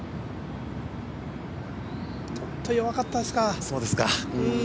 ちょっと弱かったですか。